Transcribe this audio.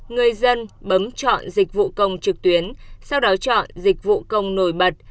người dân bấm chọn dịch vụ công trực tuyến sau đó chọn dịch vụ công nổi bật